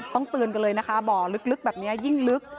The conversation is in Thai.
เตือนกันเลยนะคะบ่อลึกแบบนี้ยิ่งลึก